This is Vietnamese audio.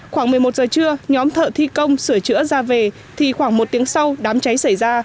khoảng một mươi một giờ trưa nhóm thợ thi công sửa chữa ra về thì khoảng một tiếng sau đám cháy xảy ra